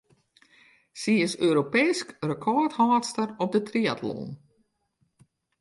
Sy is Europeesk rekôrhâldster op de triatlon.